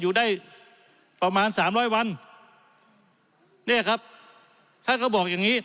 อยู่ได้ประมาณ๓๐๐วันเนี่ยครับท่านเขาบอกอย่างนี้